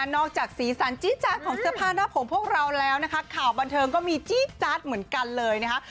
จากสีสันจี๊จาดของเสื้อผ้าหน้าผมพวกเราแล้วนะคะข่าวบันเทิงก็มีจี๊ดจาดเหมือนกันเลยนะคะ